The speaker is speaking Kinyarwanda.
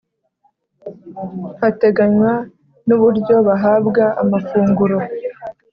hateganywa nuburyo bahabwa amafunguro